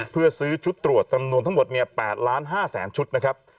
เพื่อซื้อชุดตรวจจำนวนทั้งหมด๘๕๐๐๐ชุดนะครับ